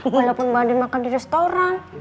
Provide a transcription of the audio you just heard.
walaupun mbak din makan di restoran